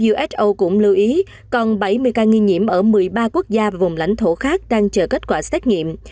uso cũng lưu ý còn bảy mươi ca nghi nhiễm ở một mươi ba quốc gia vùng lãnh thổ khác đang chờ kết quả xét nghiệm